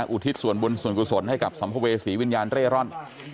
อุทิศส่วนบุญส่วนกุศลให้กับสัมภเวษีวิญญาณเร่ร่อน